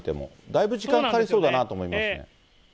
だいぶ時間かかりそうだなと思いますね。